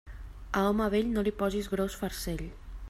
A home vell no li posis gros farcell.